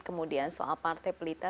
kemudian soal partai pelita